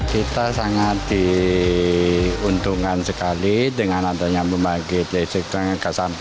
kita sangat diuntungkan sekali dengan antanya membagi listrik dengan ke sampah